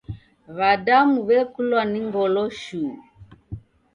W'adamu w'ekulwa no ngolo shuu!